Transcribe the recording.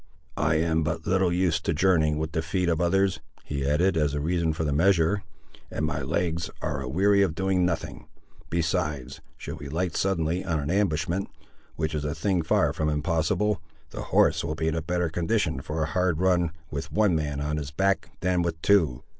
"I am but little used to journeying with the feet of others," he added, as a reason for the measure, "and my legs are a weary of doing nothing. Besides, should we light suddenly on an ambushment, which is a thing far from impossible, the horse will be in a better condition for a hard run with one man on his back than with two.